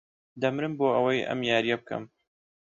دەمرم بۆ ئەوەی ئەم یارییە بکەم.